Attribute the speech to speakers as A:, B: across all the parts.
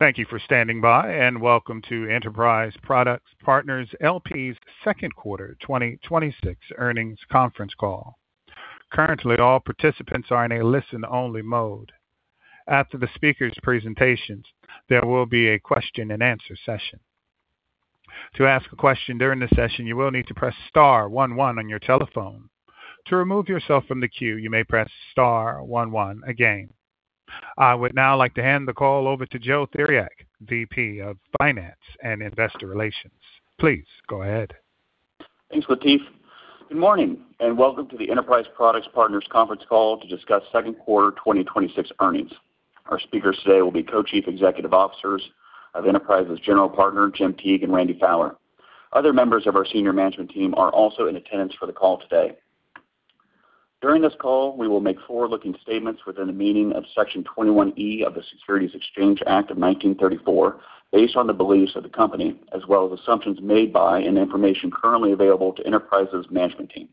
A: Thank you for standing by, welcome to Enterprise Products Partners LP's second quarter 2026 earnings conference call. Currently, all participants are in a listen-only mode. After the speakers' presentations, there will be a question-and-answer session. To ask a question during the session, you will need to press star one one on your telephone. To remove yourself from the queue, you may press star one one again. I would now like to hand the call over to Joe Theriac, Vice President of Finance and Investor Relations. Please go ahead.
B: Thanks, Latif. Good morning, welcome to the Enterprise Products Partners conference call to discuss second quarter 2026 earnings. Our speakers today will be Co-Chief Executive Officers of Enterprise's general partner, Jim Teague and Randy Fowler. Other members of our senior management team are also in attendance for the call today. During this call, we will make forward-looking statements within the meaning of Section 21E of the Securities Exchange Act of 1934, based on the beliefs of the company, as well as assumptions made by and information currently available to Enterprise's management team.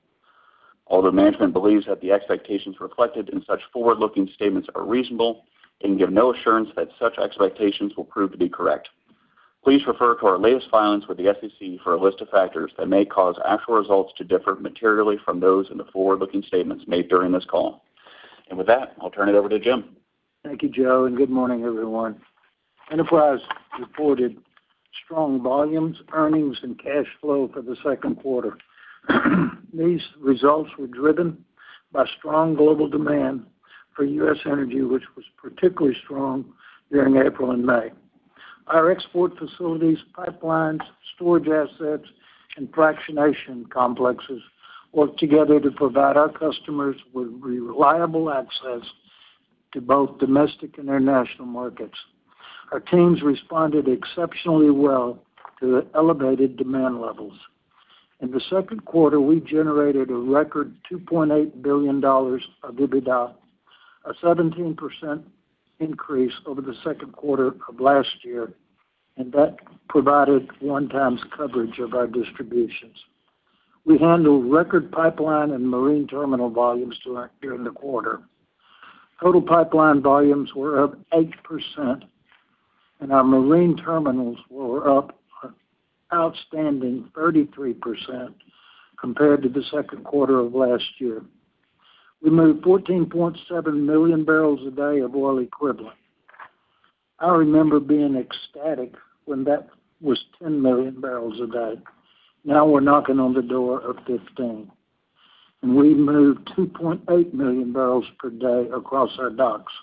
B: Although management believes that the expectations reflected in such forward-looking statements are reasonable, it can give no assurance that such expectations will prove to be correct. Please refer to our latest filings with the SEC for a list of factors that may cause actual results to differ materially from those in the forward-looking statements made during this call. With that, I'll turn it over to Jim.
C: Thank you, Joe. Good morning, everyone. Enterprise reported strong volumes, earnings, and cash flow for the second quarter. These results were driven by strong global demand for U.S. energy, which was particularly strong during April and May. Our export facilities, pipelines, storage assets, and fractionation complexes work together to provide our customers with reliable access to both domestic and international markets. Our teams responded exceptionally well to the elevated demand levels. In the second quarter, we generated a record $2.8 billion of EBITDA, a 17% increase over the second quarter of last year, and that provided one times coverage of our distributions. We handled record pipeline and marine terminal volumes during the quarter. Total pipeline volumes were up 8%, and our marine terminals were up an outstanding 33% compared to the second quarter of last year. We moved 14.7 million barrels a day of oil equivalent. I remember being ecstatic when that was 10 million barrels a day. Now we're knocking on the door of 15, and we moved 2.8 million barrels per day across our docks.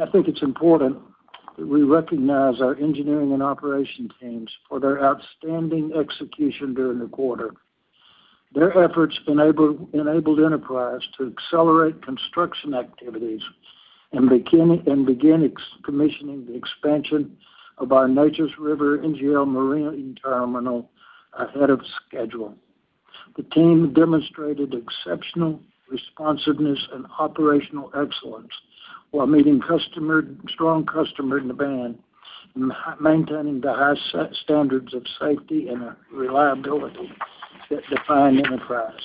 C: I think it's important that we recognize our engineering and operation teams for their outstanding execution during the quarter. Their efforts enabled Enterprise to accelerate construction activities and begin commissioning the expansion of our Neches River NGL marine terminal ahead of schedule. The team demonstrated exceptional responsiveness and operational excellence while meeting strong customer demand and maintaining the highest standards of safety and reliability that define Enterprise.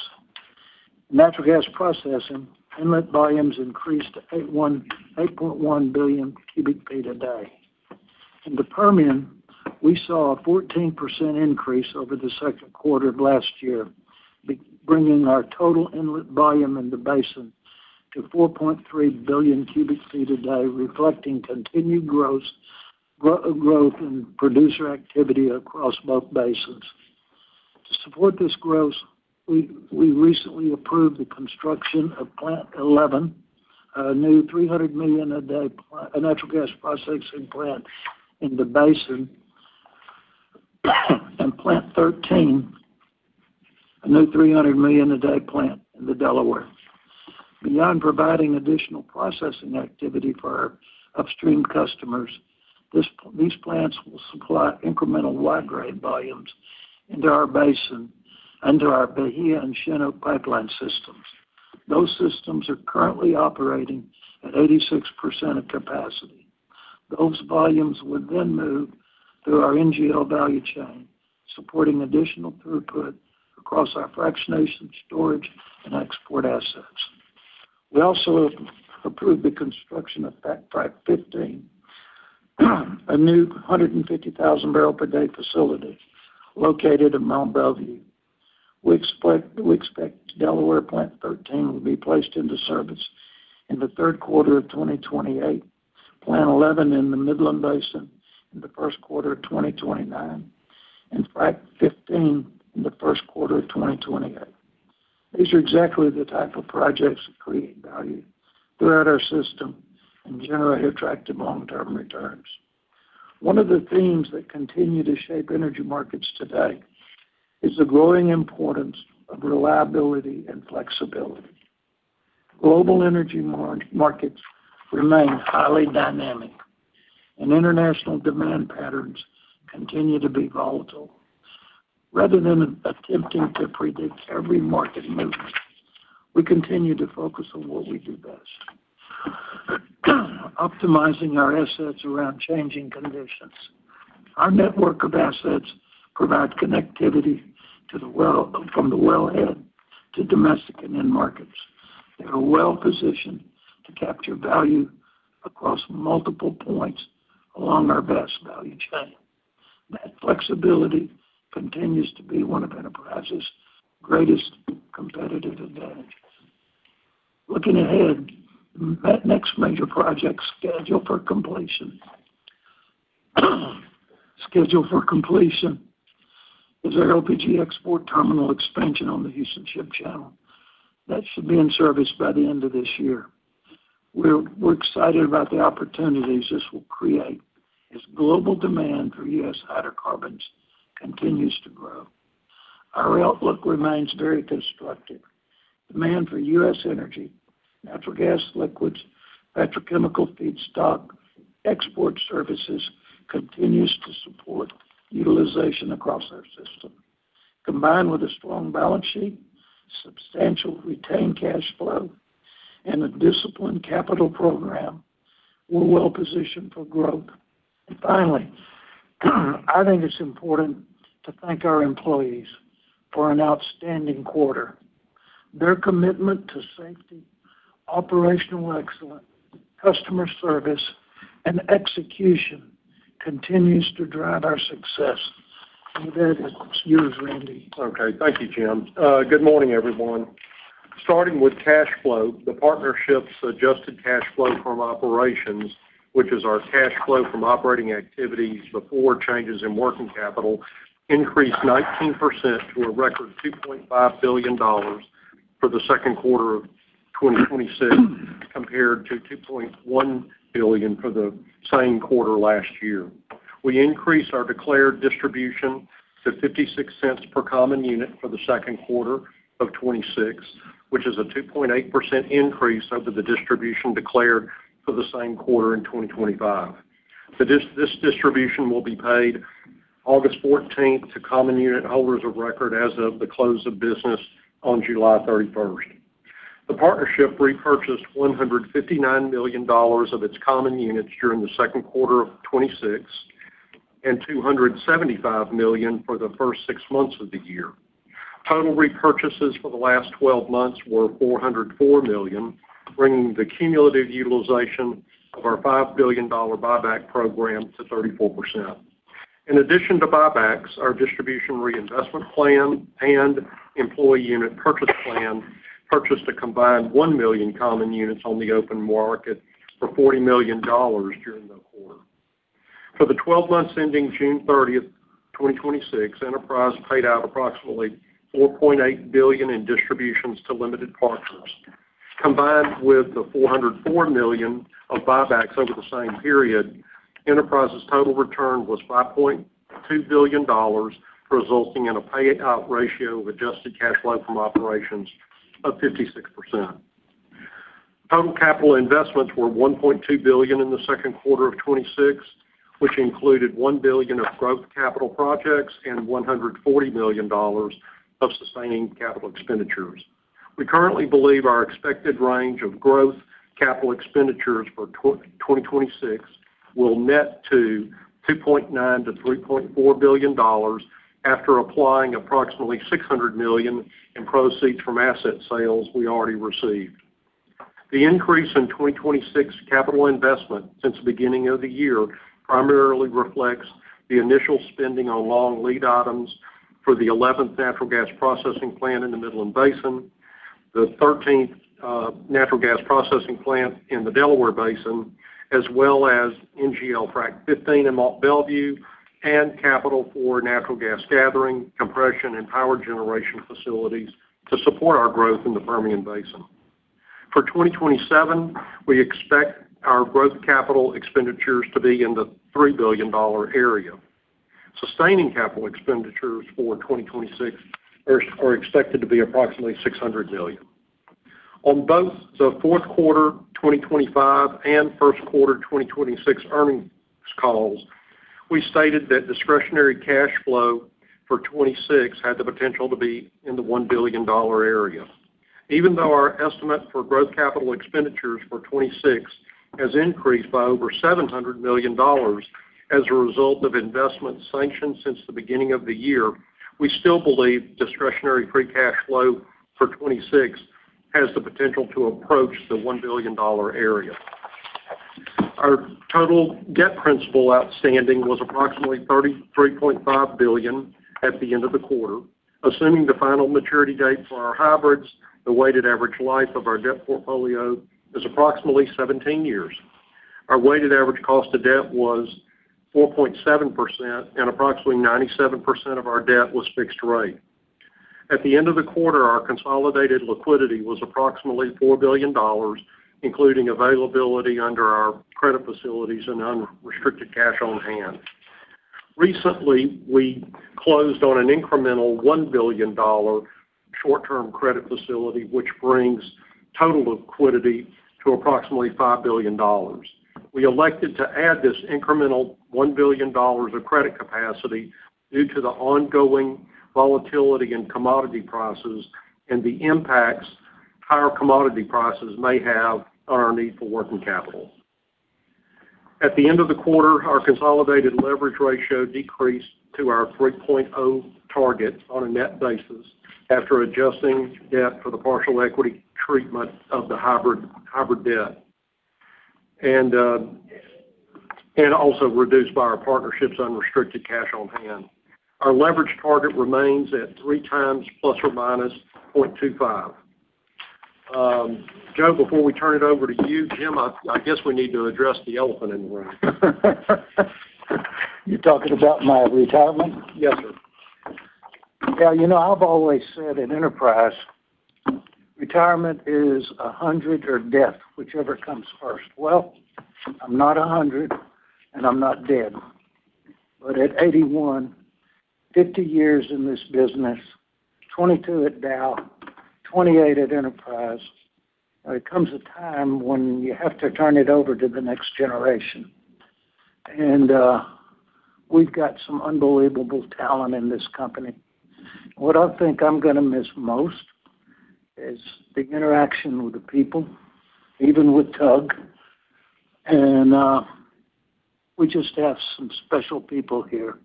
C: Natural gas processing inlet volumes increased to 8.1 billion cu ft a day. In the Permian, we saw a 14% increase over the second quarter of last year, bringing our total inlet volume in the basin to 4.3 billion cu ft a day, reflecting continued growth in producer activity across both basins.. To support this growth, we recently approved the construction of Plant 11, a new 300 million a day natural gas processing plant in the basin, and Plant 13, a new 300 million a day plant in the Delaware. Beyond providing additional processing activity for our upstream customers, these plants will supply incremental Y-grade volumes into our basin under our Bahia and Cheniere pipeline systems. Those systems are currently operating at 86% of capacity. Those volumes would then move through our NGL value chain, supporting additional throughput across our fractionation storage and export assets. We also have approved the construction of Frac 15, a new 150,000 barrel per day facility located in Mont Belvieu. We expect Delaware Plant 13 will be placed into service in the third quarter of 2028, Plant 11 in the Midland Basin in the first quarter of 2029, and Frac 15 in the first quarter of 2028. These are exactly the type of projects that create value throughout our system and generate attractive long-term returns. One of the themes that continue to shape energy markets today is the growing importance of reliability and flexibility. Global energy markets remain highly dynamic, and international demand patterns continue to be volatile. Rather than attempting to predict every market movement, we continue to focus on what we do best, optimizing our assets around changing conditions. Our network of assets provide connectivity from the wellhead to domestic and end markets. They are well-positioned to capture value across multiple points along our vast value chain. That flexibility continues to be one of Enterprise's greatest competitive advantages. Looking ahead, that next major project scheduled for completion is our LPG export terminal expansion on the Houston Ship Channel. That should be in service by the end of this year. We're excited about the opportunities this will create as global demand for U.S. hydrocarbons continues to grow. Our outlook remains very constructive. Demand for U.S. energy, natural gas liquids, petrochemical feedstock, export services continues to support utilization across our system. Combined with a strong balance sheet, substantial retained cash flow, and a disciplined capital program, we're well-positioned for growth. Finally, I think it's important to thank our employees for an outstanding quarter. Their commitment to safety, operational excellence, customer service, and execution continues to drive our success. With that, it's yours, Randy.
D: Okay. Thank you, Jim. Good morning, everyone. Starting with cash flow, the partnership's adjusted cash flow from operations, which is our cash flow from operating activities before changes in working capital, increased 19% to a record $2.5 billion for the second quarter of 2026, compared to $2.1 billion for the same quarter last year. We increased our declared distribution to $0.56 per common unit for the second quarter of 2026, which is a 2.8% increase over the distribution declared for the same quarter in 2025. This distribution will be paid August 14th to common unit holders of record as of the close of business on July 31st. The partnership repurchased $159 million of its common units during the second quarter of 2026, and $275 million for the first six months of the year. Total repurchases for the last 12 months were $404 million, bringing the cumulative utilization of our $5 billion buyback program to 34%. In addition to buybacks, our distribution reinvestment plan and employee unit purchase plan purchased a combined 1 million common units on the open market for $40 million during the quarter. For the 12 months ending June 30th, 2026, Enterprise paid out approximately $4.8 billion in distributions to limited partners. Combined with the $404 million of buybacks over the same period, Enterprise's total return was $5.2 billion, resulting in a payout ratio of adjusted cash flow from operations of 56%. Total capital investments were $1.2 billion in the second quarter of 2026, which included $1 billion of growth capital projects and $140 million of sustaining capital expenditures. We currently believe our expected range of growth capital expenditures for 2026 will net to $2.9 billion-$3.4 billion after applying approximately $600 million in proceeds from asset sales we already received. The increase in 2026 capital investment since the beginning of the year primarily reflects the initial spending on long lead items for the 11th natural gas processing plant in the Midland Basin, the 13th natural gas processing plant in the Delaware Basin, as well as NGL Frac 15 in Mont Belvieu, and capital for natural gas gathering, compression, and power generation facilities to support our growth in the Permian Basin. For 2027, we expect our growth capital expenditures to be in the $3 billion area. Sustaining capital expenditures for 2026 are expected to be approximately $600 million. On both the fourth quarter 2025 and first quarter 2026 earnings calls, we stated that discretionary cash flow for 2026 had the potential to be in the $1 billion area. Even though our estimate for growth capital expenditures for 2026 has increased by over $700 million as a result of investments sanctioned since the beginning of the year, we still believe discretionary free cash flow for 2026 has the potential to approach the $1 billion area. Our total debt principal outstanding was approximately $33.5 billion at the end of the quarter. Assuming the final maturity date for our hybrids, the weighted average life of our debt portfolio is approximately 17 years. Our weighted average cost of debt was 4.7%, and approximately 97% of our debt was fixed rate. At the end of the quarter, our consolidated liquidity was approximately $4 billion, including availability under our credit facilities and unrestricted cash on hand. Recently, we closed on an incremental $1 billion short-term credit facility, which brings total liquidity to approximately $5 billion. We elected to add this incremental $1 billion of credit capacity due to the ongoing volatility in commodity prices and the impacts higher commodity prices may have on our need for working capital. At the end of the quarter, our consolidated leverage ratio decreased to our 3.0 target on a net basis after adjusting debt for the partial equity treatment of the hybrid debt. Also reduced by our partnership's unrestricted cash on hand. Our leverage target remains at three times ±0.25. Joe, before we turn it over to you, Jim, I guess we need to address the elephant in the room.
C: You talking about my retirement?
D: Yes, sir.
C: Yeah, I've always said at Enterprise, retirement is 100 or death, whichever comes first. Well, I'm not 100 and I'm not dead. At 81, 50 years in this business, 22 at Dow, 28 at Enterprise, there comes a time when you have to turn it over to the next generation. We've got some unbelievable talent in this company. What I think I'm going to miss most is the interaction with the people, even with Tug. We just have some special people here.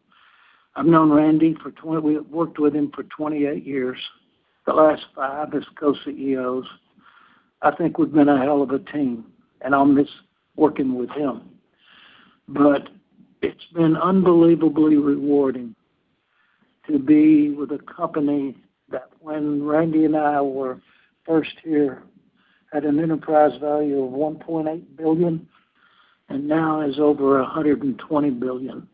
C: I've known Randy worked with him for 28 years. The last five as co-CEOs. I think we've been a hell of a team, and I'll miss working with him. It's been unbelievably rewarding to be with a company that when Randy and I were first here, had an enterprise value of $1.8 billion, and now is over $120 billion.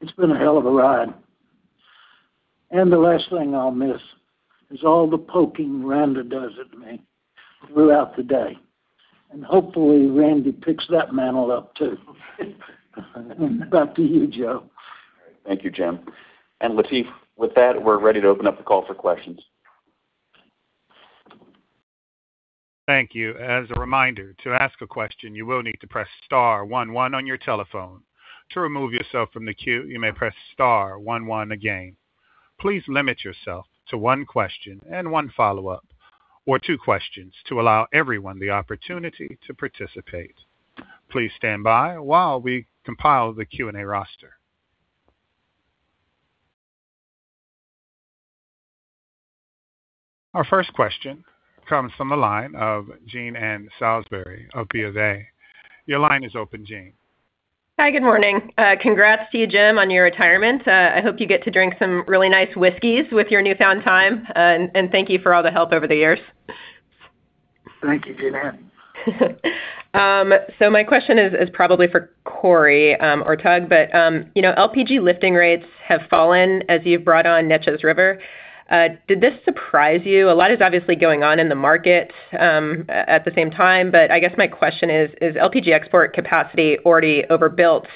C: It's been a hell of a ride. The last thing I'll miss is all the poking Randy does at me throughout the day. Hopefully Randy picks that mantle up too. Back to you, Joe.
B: All right. Thank you, Jim. Latif, with that, we're ready to open up the call for questions.
A: Thank you. As a reminder, to ask a question, you will need to press star one one on your telephone. To remove yourself from the queue, you may press star one one again. Please limit yourself to one question and one follow-up, or two questions to allow everyone the opportunity to participate. Please stand by while we compile the Q&A roster. Our first question comes from the line of Jean Ann Salisbury of BofA. Your line is open, Jean.
E: Hi, good morning. Congrats to you, Jim, on your retirement. I hope you get to drink some really nice whiskeys with your newfound time. Thank you for all the help over the years.
C: Thank you, Jean Ann.
E: My question is probably for Corey or Tug, LPG lifting rates have fallen as you've brought on Neches River. Did this surprise you? A lot is obviously going on in the market at the same time, I guess my question is LPG export capacity already overbuilt?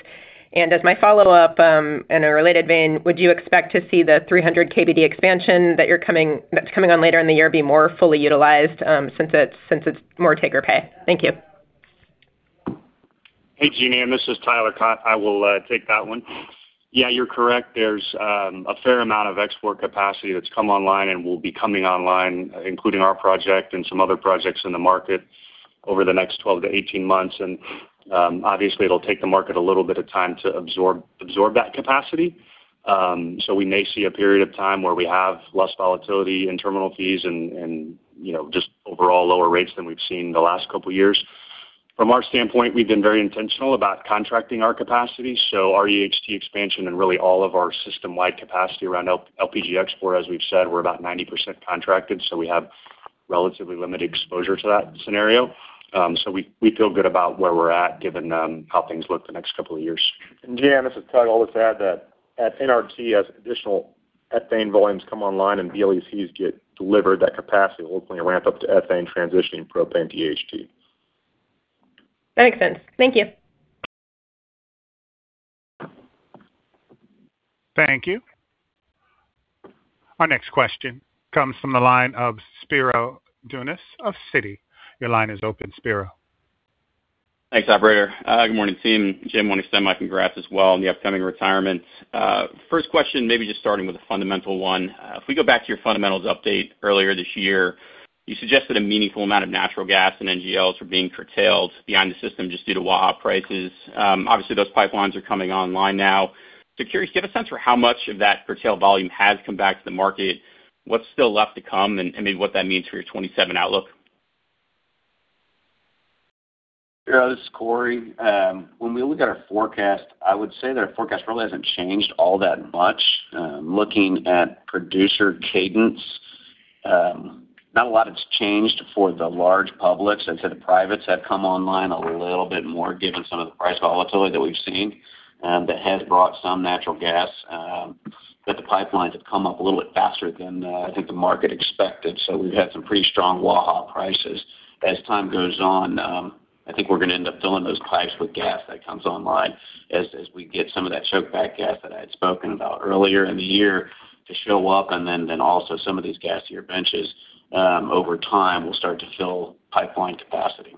E: As my follow-up, in a related vein, would you expect to see the 300 KBD expansion that's coming on later in the year be more fully utilized, since it's more take or pay? Thank you.
F: Hey, Jean Ann. This is Tyler Kott. I will take that one. Yeah, you're correct. There's a fair amount of export capacity that's come online and will be coming online, including our project and some other projects in the market over the next 12-18 months. Obviously it'll take the market a little bit of time to absorb that capacity. We may see a period of time where we have less volatility in terminal fees and just overall lower rates than we've seen the last couple of years. From our standpoint, we've been very intentional about contracting our capacity, our EHT expansion and really all of our system-wide capacity around LPG export, as we've said, we're about 90% contracted, we have relatively limited exposure to that scenario. We feel good about where we're at given how things look the next couple of years.
G: Jean Ann, this is Tug. I'll just add that at NRT, as additional ethane volumes come online and VLECs get delivered, that capacity will ramp up to ethane transitioning propane PDH.
E: That makes sense. Thank you.
A: Thank you. Our next question comes from the line of Spiro Dounis of Citi. Your line is open, Spiro.
H: Thanks, operator. Good morning, team. Jim, want to extend my congrats as well on the upcoming retirement. First question, maybe just starting with a fundamental one. If we go back to your fundamentals update earlier this year, you suggested a meaningful amount of natural gas and NGLs were being curtailed behind the system just due to Waha prices. Curious, do you have a sense for how much of that curtailed volume has come back to the market? What's still left to come, and maybe what that means for your 2027 outlook?
I: Spiro, this is Corey. When we look at our forecast, I would say that our forecast really hasn't changed all that much. Looking at producer cadence, not a lot has changed for the large publics. I'd say the privates have come online a little bit more given some of the price volatility that we've seen, that has brought some natural gas. The pipelines have come up a little bit faster than I think the market expected, so we've had some pretty strong Waha prices. As time goes on, I think we're going to end up filling those pipes with gas that comes online as we get some of that choke back gas that I had spoken about earlier in the year to show up, and then also some of these gas tier benches over time will start to fill pipeline capacity.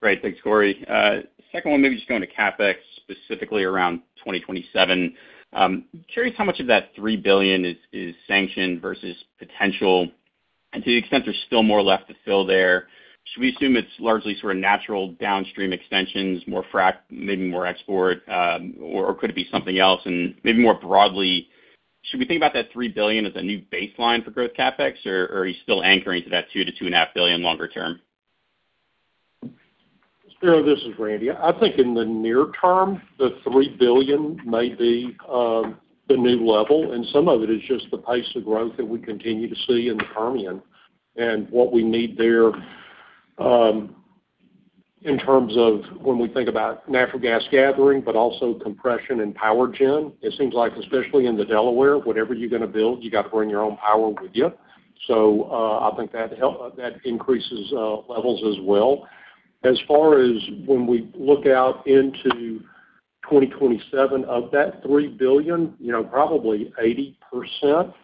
H: Great. Thanks, Corey. Second one, maybe just going to CapEx specifically around 2027. Curious how much of that $3 billion is sanctioned versus potential. To the extent there's still more left to fill there, should we assume it's largely sort of natural downstream extensions, more Frac, maybe more export, or could it be something else? Maybe more broadly, should we think about that $3 billion as a new baseline for growth CapEx, or are you still anchoring to that $2 billion-$2.5 billion longer term?
D: Spiro, this is Randy. I think in the near term, the $3 billion may be the new level. Some of it is just the pace of growth that we continue to see in the Permian and what we need there, in terms of when we think about natural gas gathering, also compression and power gen. It seems like especially in the Delaware, whatever you're going to build, you got to bring your own power with you. I think that increases levels as well. As far as when we look out into 2027, of that $3 billion, probably 80%+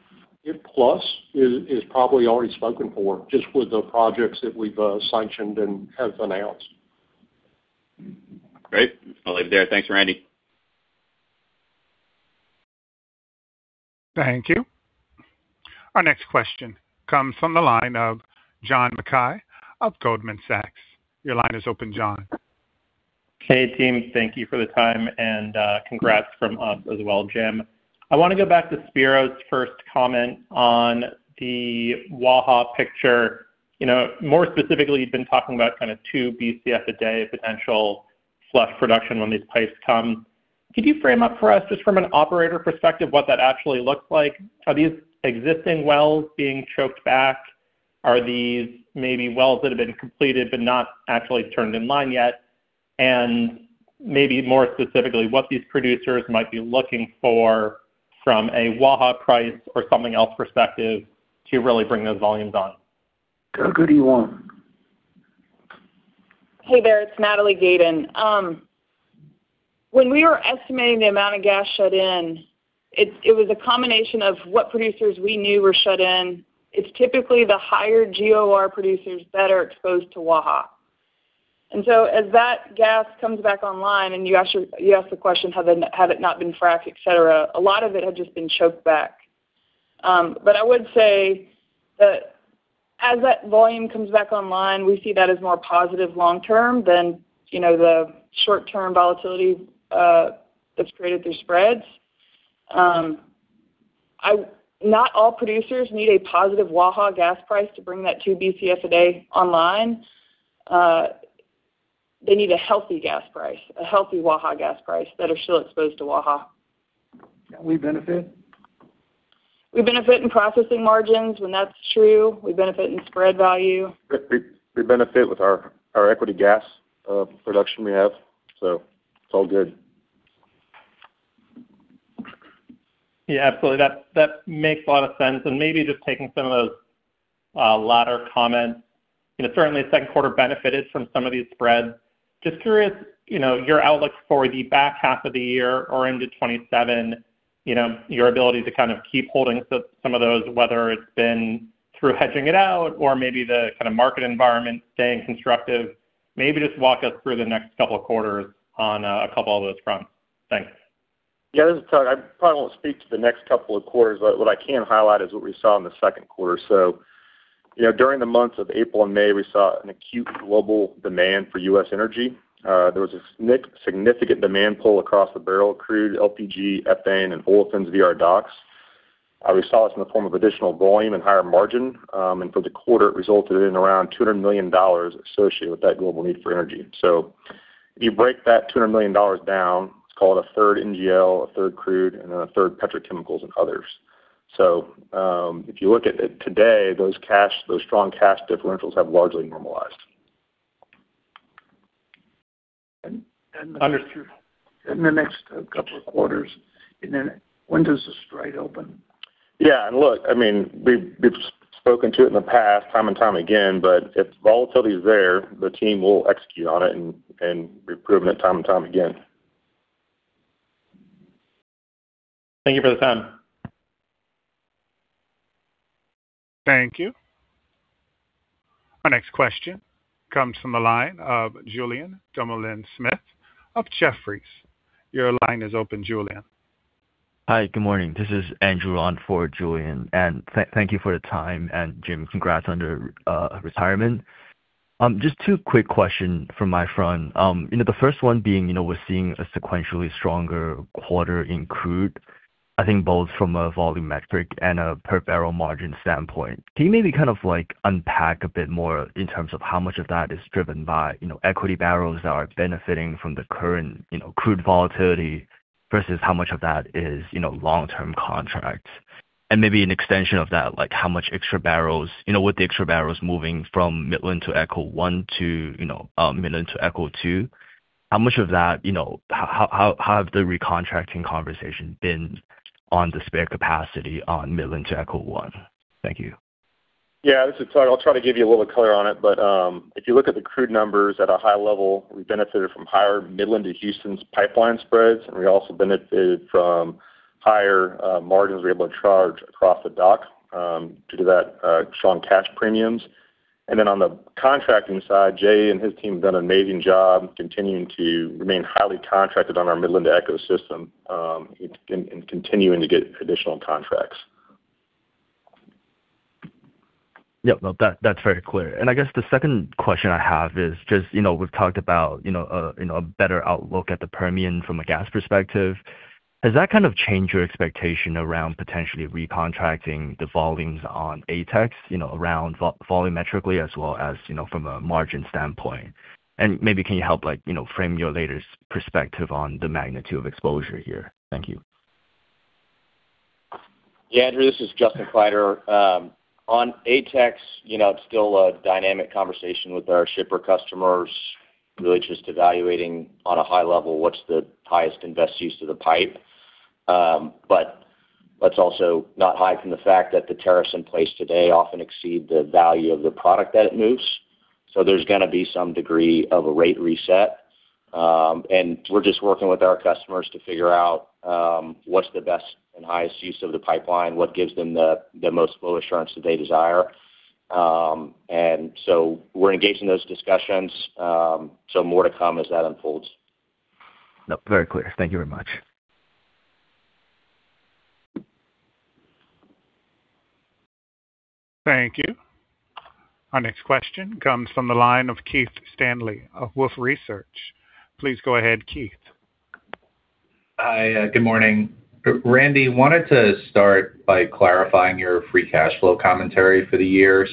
D: is probably already spoken for, just with the projects that we've sanctioned and have announced.
H: Great. I'll leave it there. Thanks, Randy.
A: Thank you. Our next question comes from the line of John Mackay of Goldman Sachs. Your line is open, John.
J: Hey, team. Thank you for the time, and congrats from us as well, Jim. I want to go back to Spiro's first comment on the Waha picture. More specifically, you've been talking about kind of 2 BCF a day potential flush production when these pipes come. Could you frame up for us, just from an operator perspective, what that actually looks like? Are these existing wells being choked back? Are these maybe wells that have been completed but not actually turned in line yet? Maybe more specifically, what these producers might be looking for from a Waha price or something else perspective to really bring those volumes on.
D: Go, who do you want?
K: Hey there, it's Natalie Gayden. When we were estimating the amount of gas shut in, it was a combination of what producers we knew were shut in. It's typically the higher GOR producers that are exposed to Waha. As that gas comes back online, and you asked the question, had it not been fracked, et cetera, a lot of it had just been choked back. I would say that as that volume comes back online, we see that as more positive long term than the short-term volatility that's created through spreads. Not all producers need a positive Waha gas price to bring that 2 BCF a day online. They need a healthy gas price, a healthy Waha gas price that are still exposed to Waha.
D: We benefit?
K: We benefit in processing margins when that's true. We benefit in spread value.
L: We benefit with our equity gas production we have. It's all good.
J: Yeah, absolutely. That makes a lot of sense. Maybe just taking some of those latter comments, certainly second quarter benefited from some of these spreads. Just curious, your outlook for the back half of the year or into 2027, your ability to kind of keep holding some of those, whether it's been through hedging it out or maybe the kind of market environment staying constructive. Maybe just walk us through the next couple of quarters on a couple of those fronts. Thanks.
L: Yeah, this is Todd. I probably won't speak to the next couple of quarters, but what I can highlight is what we saw in the second quarter. During the months of April and May, we saw an acute global demand for U.S. energy. There was a significant demand pull across the barrel of crude, LPG, ethane, and olefins VLECs. We saw this in the form of additional volume and higher margin. For the quarter, it resulted in around $200 million associated with that global need for energy. If you break that $200 million down, it's called a third NGL, a third crude, and then a third petrochemicals and others. If you look at it today, those strong cash differentials have largely normalized.
D: In the next couple of quarters, then when does the stride open?
L: Yeah. Look, we've spoken to it in the past time and time again, if volatility is there, the team will execute on it, we've proven it time and time again.
J: Thank you for the time.
A: Thank you. Our next question comes from the line of Julien Dumoulin-Smith of Jefferies. Your line is open, Julien.
M: Hi, good morning. This is Andrew on for Julien. Thank you for the time. Jim, congrats on your retirement. Just two quick question from my front. The first one being, we're seeing a sequentially stronger quarter in crude, I think both from a volumetric and a per-barrel margin standpoint. Can you maybe kind of unpack a bit more in terms of how much of that is driven by equity barrels that are benefiting from the current crude volatility versus how much of that is long-term contracts? Maybe an extension of that, with the extra barrels moving from Midland-to-ECHO 1 to Midland to ECHO 2, how have the recontracting conversation been on the spare capacity on Midland-to-ECHO 1? Thank you.
L: Yeah, this is Todd. I'll try to give you a little color on it, but if you look at the crude numbers at a high level, we benefited from higher Midland to Houston's pipeline spreads, and we also benefited from higher margins we're able to charge across the dock due to that strong cash premiums.
D: On the contracting side, Jay and his team have done an amazing job continuing to remain highly contracted on our Midland ecosystem, and continuing to get additional contracts.
M: Yep. No, that's very clear. I guess the second question I have is just, we've talked about a better outlook at the Permian from a gas perspective. Has that kind of changed your expectation around potentially recontracting the volumes on ATEX around volumetrically as well as from a margin standpoint? Maybe can you help frame your latest perspective on the magnitude of exposure here? Thank you.
N: Andrew, this is Justin Kleiderer. On ATEX, it is still a dynamic conversation with our shipper customers, really just evaluating on a high level what is the highest and best use of the pipe. Let's also not hide from the fact that the tariffs in place today often exceed the value of the product that it moves. There is going to be some degree of a rate reset. We are just working with our customers to figure out what is the best and highest use of the pipeline, what gives them the most flow assurance that they desire. We are engaged in those discussions. More to come as that unfolds.
M: No, very clear. Thank you very much.
A: Thank you. Our next question comes from the line of Keith Stanley of Wolfe Research. Please go ahead, Keith.
O: Hi. Good morning. Randy, wanted to start by clarifying your free cash flow commentary for the year.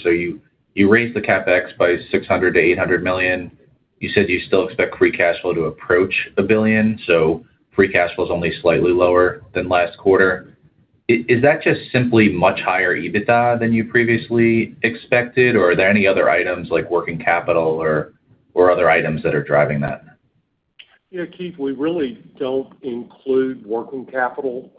O: You raised the CapEx by $600 million-$800 million. You said you still expect free cash flow to approach $1 billion, free cash flow is only slightly lower than last quarter. Is that just simply much higher EBITDA than you previously expected, or are there any other items like working capital or other items that are driving that?
D: Yeah, Keith, we really don't include working capital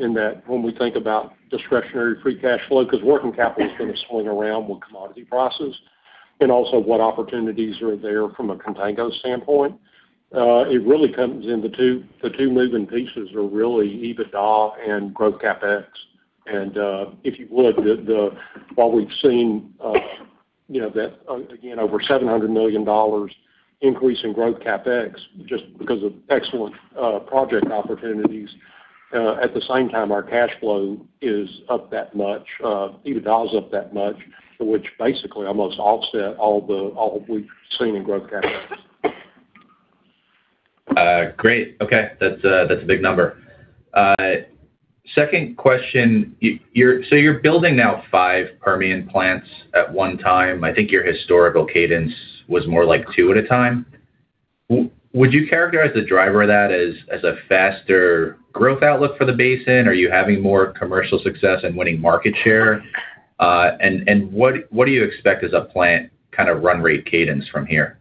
D: in that when we think about discretionary free cash flow, because working capital is going to swing around with commodity prices and also what opportunities are there from a contango standpoint. It really comes in the two moving pieces are really EBITDA and growth CapEx. If you would, while we've seen, that again, over $700 million increase in growth CapEx just because of excellent project opportunities. At the same time, our cash flow is up that much, EBITDA is up that much to which basically almost offset all we've seen in growth CapEx.
O: Great. Okay. That's a big number. Second question. You're building now five Permian plants at one time. I think your historical cadence was more like two at a time. Would you characterize the driver of that as a faster growth outlook for the basin? Are you having more commercial success in winning market share? What do you expect as a plant kind of run rate cadence from here?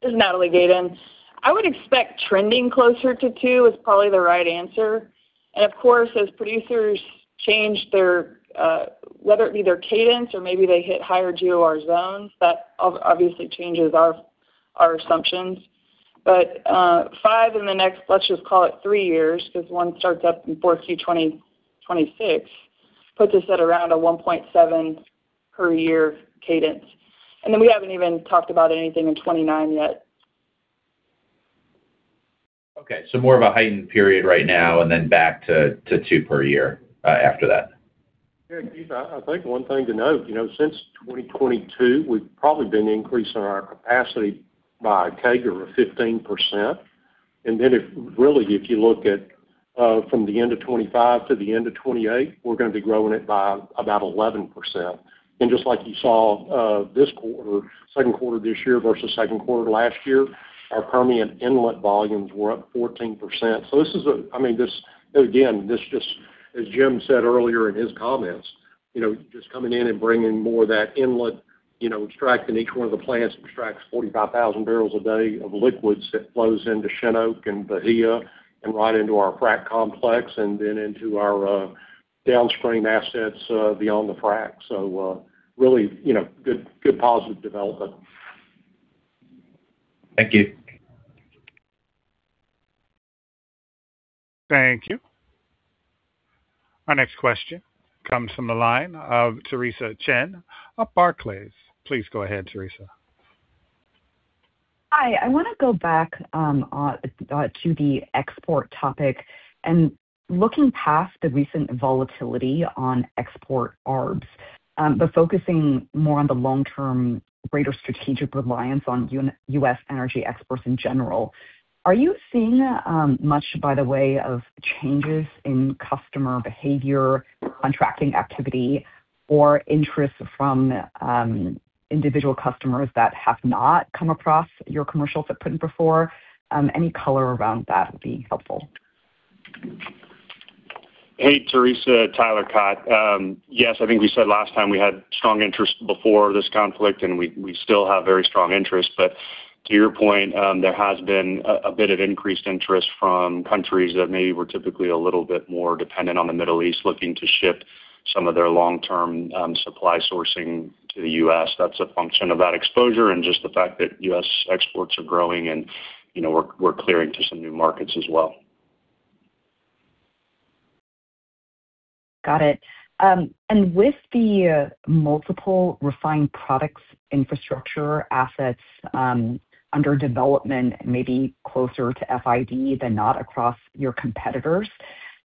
K: This is Natalie Gayden. I would expect trending closer to two is probably the right answer. Of course, as producers change their whether it be their cadence or maybe they hit higher GOR zones, that obviously changes our assumptions. Five in the next, let's just call it three years, because one starts up in 4Q 2026, puts us at around a 1.7 per year cadence. We haven't even talked about anything in 2029 yet.
O: Okay. More of a heightened period right now and then back to two per year after that.
D: Yeah, Keith, I think one thing to note, since 2022, we've probably been increasing our capacity by a CAGR of 15%. Then if really, if you look at from the end of 2025 to the end of 2028, we're going to be growing it by about 11%. Just like you saw this quarter, second quarter this year versus second quarter last year, our Permian inlet volumes were up 14%. Again, this just as Jim said earlier in his comments, just coming in and bringing more of that inlet, extracting each one of the plants, extracts 45,000 barrels a day of liquids that flows into Shin Oak and Bahia and right into our frack complex, and then into our downstream assets beyond the frack. Really good positive development.
O: Thank you.
A: Thank you. Our next question comes from the line of Theresa Chen of Barclays. Please go ahead, Theresa.
P: Hi, I want to go back to the export topic, looking past the recent volatility on export arbs. Focusing more on the long-term greater strategic reliance on U.S. energy exports in general. Are you seeing much by the way of changes in customer behavior, contracting activity, or interest from individual customers that have not come across your commercials that put in before? Any color around that would be helpful.
F: Hey, Theresa, Tyler Kott. Yes, I think we said last time we had strong interest before this conflict, and we still have very strong interest. To your point, there has been a bit of increased interest from countries that maybe were typically a little bit more dependent on the Middle East looking to ship some of their long-term supply sourcing to the U.S. That's a function of that exposure and just the fact that U.S. exports are growing and we're clearing to some new markets as well.
P: Got it. With the multiple refined products infrastructure assets under development, maybe closer to FID than not across your competitors,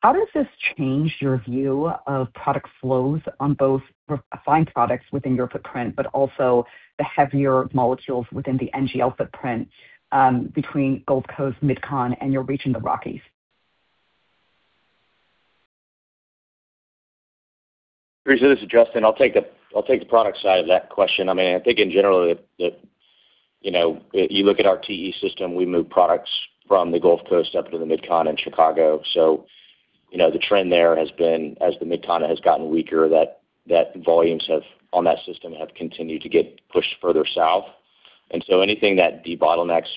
P: how does this change your view of product flows on both refined products within your footprint, but also the heavier molecules within the NGL footprint between Gulf Coast, MidCon, and you're reaching the Rockies?
N: Theresa, this is Justin. I'll take the product side of that question. I think in general that, if you look at our TE system, we move products from the Gulf Coast up into the MidCon and Chicago. The trend there has been, as the MidCon has gotten weaker, that volumes on that system have continued to get pushed further south. Anything that debottlenecks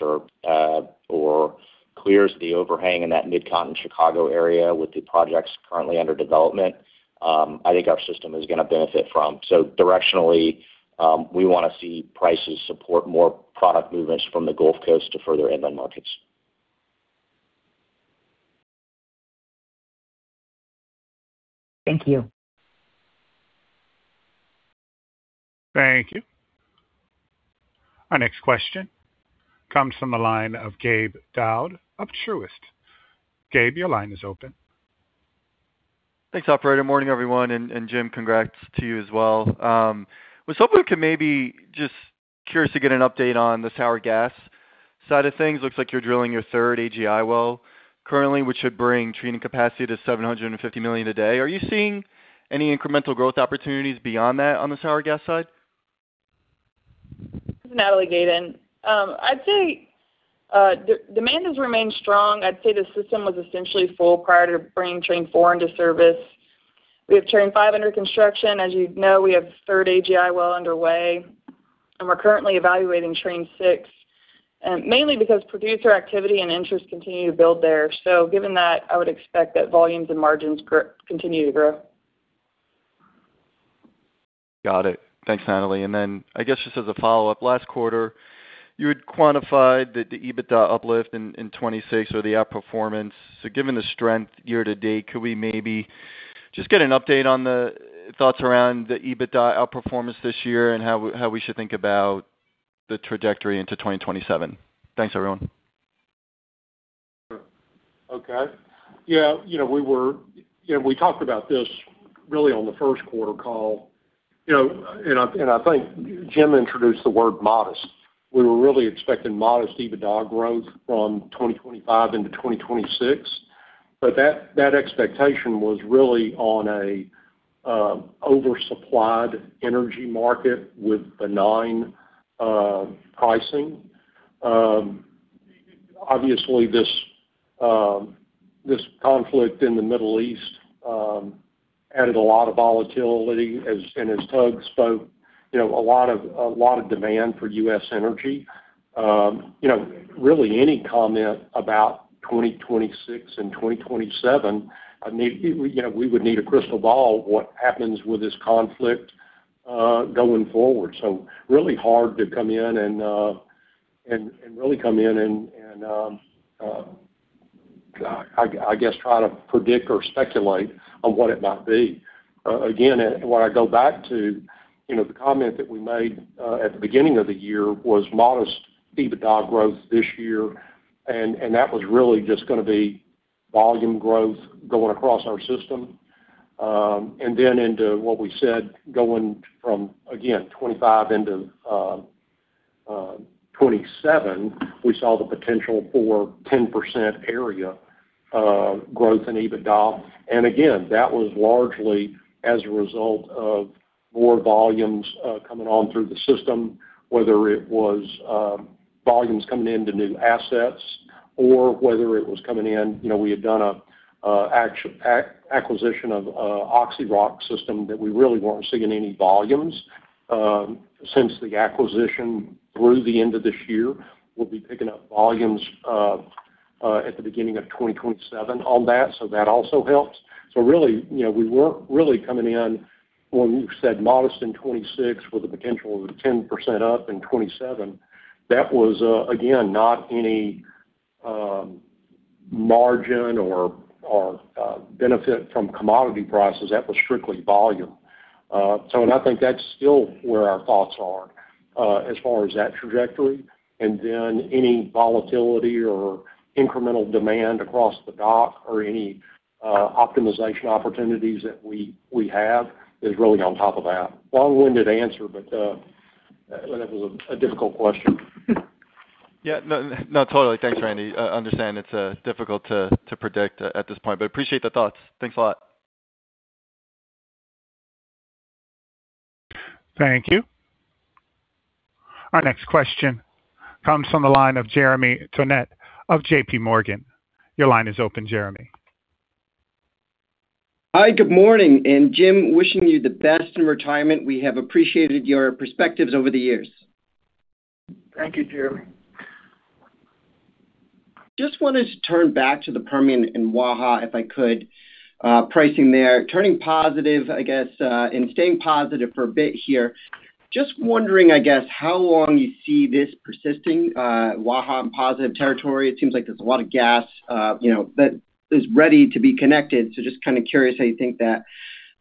N: or clears the overhang in that MidCon and Chicago area with the projects currently under development, I think our system is going to benefit from. Directionally, we want to see prices support more product movements from the Gulf Coast to further inland markets.
P: Thank you.
A: Thank you. Our next question comes from the line of Gabe Daoud of Truist. Gabe, your line is open.
Q: Thanks, operator. Morning, everyone. Jim, congrats to you as well. Was hoping we could maybe just curious to get an update on the sour gas side of things. Looks like you're drilling your third AGI well currently, which should bring training capacity to 750 million a day. Are you seeing any incremental growth opportunities beyond that on the sour gas side?
K: This is Natalie Gayden. I'd say demand has remained strong. I'd say the system was essentially full prior to bringing train 4 into service. We have train 5 under construction. As you know, we have third AGI well underway. We're currently evaluating train 6, mainly because producer activity and interest continue to build there. Given that, I would expect that volumes and margins continue to grow.
Q: Got it. Thanks, Natalie. Then I guess just as a follow-up, last quarter, you had quantified the EBITDA uplift in 2026 or the outperformance. Given the strength year-to-date, could we maybe just get an update on the thoughts around the EBITDA outperformance this year and how we should think about the trajectory into 2027? Thanks, everyone.
D: Sure. Okay. We talked about this really on the first quarter call, and I think Jim introduced the word modest. We were really expecting modest EBITDA growth from 2025 into 2026. That expectation was really on an oversupplied energy market with benign pricing. Obviously, this conflict in the Middle East added a lot of volatility, and as Todd spoke, a lot of demand for U.S. energy. Really any comment about 2026 and 2027, we would need a crystal ball what happens with this conflict going forward. Really hard to come in and, I guess try to predict or speculate on what it might be. What I go back to, the comment that we made at the beginning of the year was modest EBITDA growth this year, and that was really just going to be volume growth going across our system. Into what we said going from, again, 2025 into 2027, we saw the potential for 10% area of growth in EBITDA. Again, that was largely as a result of more volumes coming on through the system, whether it was volumes coming into new assets or whether it was coming in, we had done an acquisition of Oxy Rock system that we really weren't seeing any volumes since the acquisition through the end of this year. We'll be picking up volumes at the beginning of 2027 on that also helps. Really, we weren't really coming in when we said modest in 2026 with a potential of 10% up in 2027. That was, again, not any margin or benefit from commodity prices. That was strictly volume. I think that's still where our thoughts are as far as that trajectory. Any volatility or incremental demand across the dock or any optimization opportunities that we have is really on top of that. Long-winded answer, that was a difficult question.
Q: Yeah. No, totally. Thanks, Randy. I understand it's difficult to predict at this point, appreciate the thoughts. Thanks a lot.
A: Thank you. Our next question comes from the line of Jeremy Tonet of JPMorgan. Your line is open, Jeremy.
R: Hi, good morning. Jim, wishing you the best in retirement. We have appreciated your perspectives over the years.
C: Thank you, Jeremy.
R: Just wanted to turn back to the Permian and Waha, if I could. Pricing there turning positive, I guess, staying positive for a bit here. Just wondering, how long you see this persisting, Waha in positive territory? It seems like there's a lot of gas that is ready to be connected. Just curious how you think that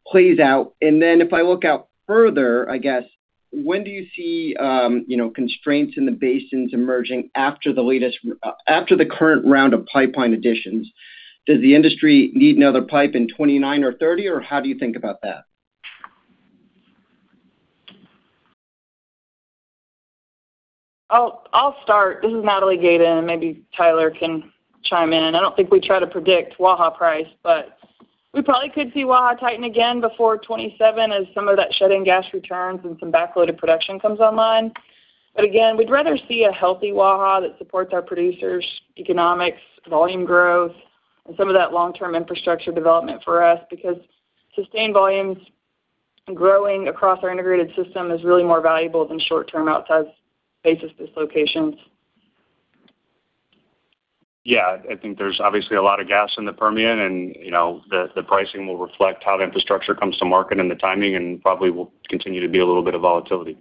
R: plays out. If I look out further, when do you see constraints in the basins emerging after the current round of pipeline additions? Does the industry need another pipe in 2029 or 2030, or how do you think about that?
K: I'll start. This is Natalie Gayden. Maybe Tyler can chime in. I don't think we try to predict Waha price. We probably could see Waha tighten again before 2027 as some of that shut-in gas returns and some backloaded production comes online. Again, we'd rather see a healthy Waha that supports our producers' economics, volume growth, and some of that long-term infrastructure development for us, because sustained volumes growing across our integrated system is really more valuable than short-term outsize basis dislocations.
F: Yeah, I think there's obviously a lot of gas in the Permian, and the pricing will reflect how the infrastructure comes to market and the timing, and probably will continue to be a little bit of volatility.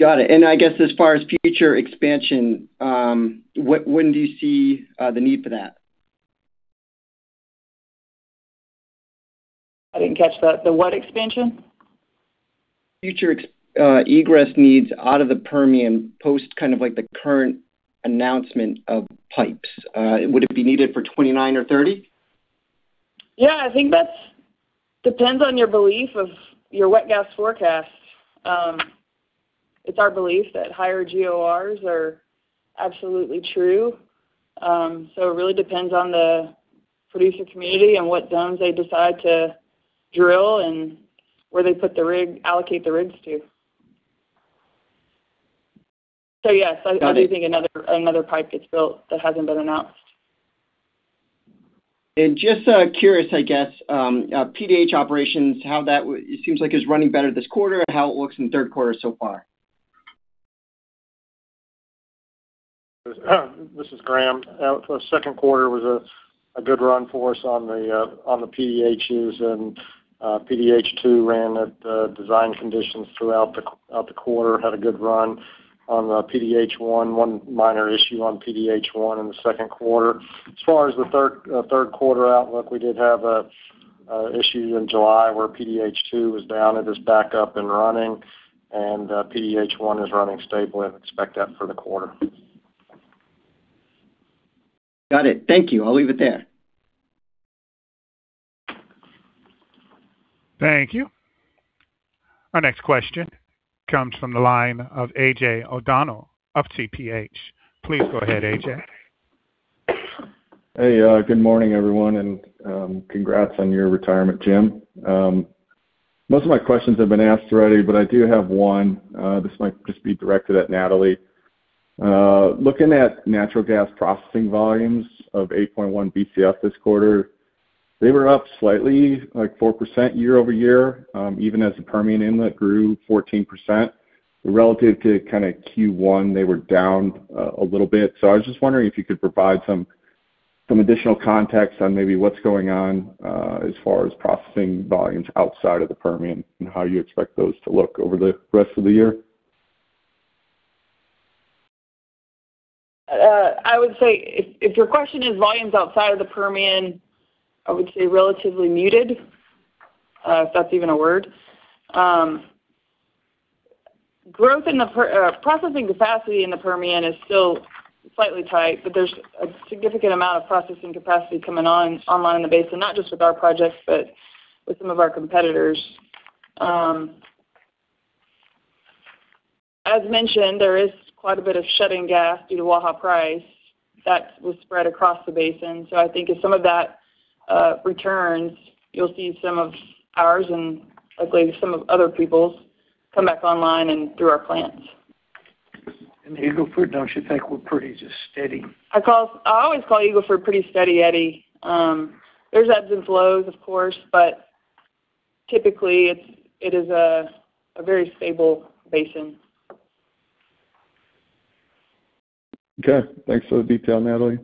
R: Got it. I guess as far as future expansion, when do you see the need for that?
K: I didn't catch that. The what expansion?
R: Future egress needs out of the Permian post the current announcement of pipes. Would it be needed for 2029 or 2030?
K: Yeah, I think that depends on your belief of your wet gas forecast. It's our belief that higher GORs are absolutely true. It really depends on the producer community and what zones they decide to drill and where they allocate the rigs to. Yes, I do think another pipe gets built that hasn't been announced.
R: Just curious, PDH operations, it seems like it's running better this quarter. How it looks in the third quarter so far?
S: This is Graham. Second quarter was a good run for us on the PDHs. PDH 2 ran at design conditions throughout the quarter, had a good run on PDH 1. One minor issue on PDH 1 in the second quarter. As far as the third quarter outlook, we did have an issue in July where PDH 2 was down. It is back up and running, and PDH 1 is running stable and expect that for the quarter.
R: Got it. Thank you. I'll leave it there.
A: Thank you. Our next question comes from the line of AJ O'Donnell of TPH. Please go ahead, AJ.
T: Hey, good morning, everyone. Congrats on your retirement, Jim. Most of my questions have been asked already. I do have one. This might just be directed at Natalie. Looking at natural gas processing volumes of 8.1 BCF this quarter, they were up slightly, like 4% year-over-year, even as the Permian inlet grew 14%. Relative to Q1, they were down a little bit. I was just wondering if you could provide some additional context on maybe what's going on as far as processing volumes outside of the Permian, and how you expect those to look over the rest of the year.
K: I would say if your question is volumes outside of the Permian, I would say relatively muted, if that's even a word. Processing capacity in the Permian is still slightly tight. There's a significant amount of processing capacity coming online in the basin. Not just with our projects, but with some of our competitors. As mentioned, there is quite a bit of shut-in gas due to Waha price that was spread across the basin. I think if some of that returns, you'll see some of ours and hopefully some of other people's come back online and through our plants.
S: Eagle Ford, don't you think we're pretty just steady?
K: I always call Eagle Ford Pretty Steady Eddie. There's ebbs and flows, of course, typically it is a very stable basin.
T: Okay. Thanks for the detail, Natalie.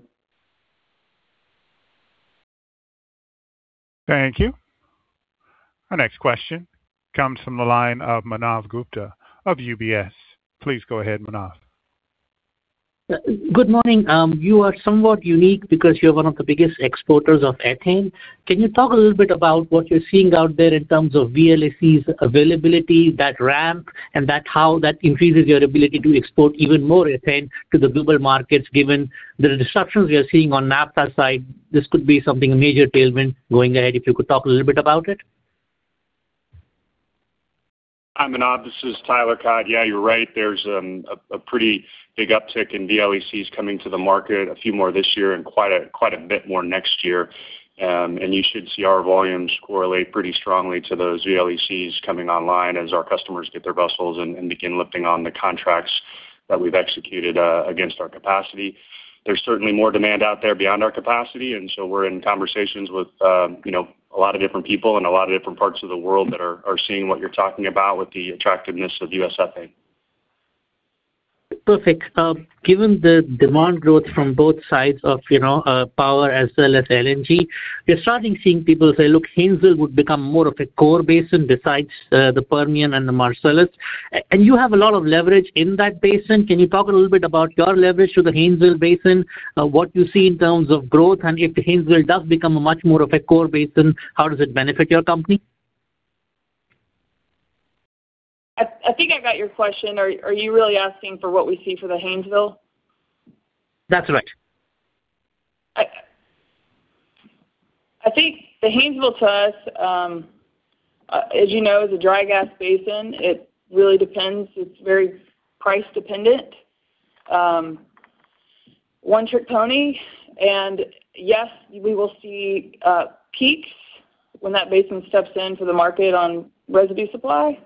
A: Thank you. Our next question comes from the line of Manav Gupta of UBS. Please go ahead, Manav.
U: Good morning. You are somewhat unique because you're one of the biggest exporters of ethane. Can you talk a little bit about what you're seeing out there in terms of VLECs availability, that ramp, and how that increases your ability to export even more ethane to the global markets, given the disruptions we are seeing on the naphtha side? This could be something, a major tailwind going ahead. If you could talk a little bit about it.
F: Hi, Manav, this is Tyler Kott. Yeah, you're right. There's a pretty big uptick in VLECs coming to the market, a few more this year and quite a bit more next year. You should see our volumes correlate pretty strongly to those VLECs coming online as our customers get their vessels and begin lifting on the contracts that we've executed against our capacity. There's certainly more demand out there beyond our capacity, we're in conversations with a lot of different people in a lot of different parts of the world that are seeing what you're talking about with the attractiveness of U.S. ethane.
U: Perfect. Given the demand growth from both sides of power as well as LNG, we're starting seeing people say, look, Haynesville would become more of a core basin besides the Permian and the Marcellus, you have a lot of leverage in that basin. Can you talk a little bit about your leverage to the Haynesville Basin, what you see in terms of growth, and if Haynesville does become a much more of a core basin, how does it benefit your company?
K: I think I got your question. Are you really asking for what we see for the Haynesville?
U: That's right.
K: I think the Haynesville to us, as you know, is a dry gas basin. It really depends. It's very price dependent. One trick pony, and yes, we will see peaks when that basin steps in for the market on residue supply.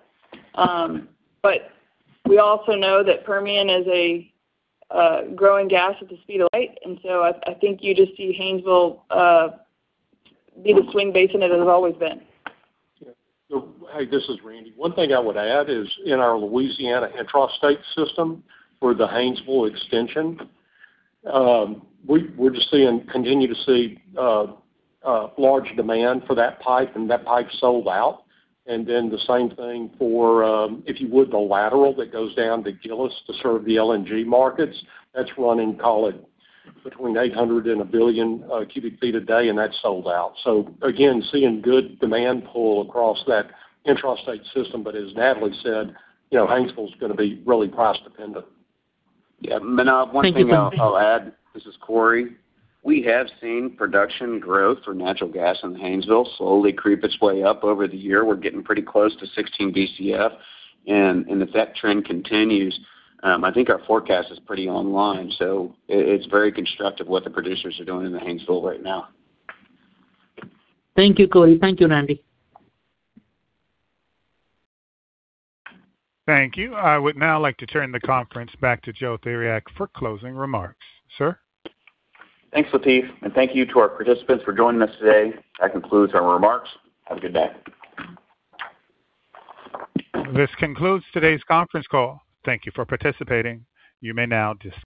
K: We also know that Permian is a growing gas at the speed of light. I think you just see Haynesville be the swing basin it has always been.
D: Yeah. Hey, this is Randy. One thing I would add is in our Louisiana intrastate system for the Haynesville extension, we're just continuing to see large demand for that pipe and that pipe's sold out. The same thing for, if you would, the lateral that goes down to Gillis to serve the LNG markets. That's running, call it between 800 and 1 billion cu ft a day, and that's sold out. Again, seeing good demand pull across that intrastate system, as Natalie said, Haynesville's going to be really price dependent.
I: Yeah. Manav, one thing I'll add, this is Corey. We have seen production growth for natural gas in the Haynesville slowly creep its way up over the year. We're getting pretty close to 16 BCF. If that trend continues, I think our forecast is pretty online. It's very constructive what the producers are doing in the Haynesville right now.
U: Thank you, Corey. Thank you, Randy.
A: Thank you. I would now like to turn the conference back to Joe Theriac for closing remarks. Sir?
B: Thanks, Latif. Thank you to our participants for joining us today. That concludes our remarks. Have a good day.
A: This concludes today's conference call. Thank you for participating. You may now disconnect.